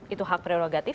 itu hak prerogatif